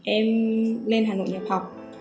em lên hà nội nhập học